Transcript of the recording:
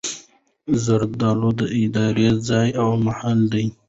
زړه د ارادې ځای او محل دﺉ.